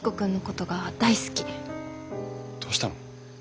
どうしたの？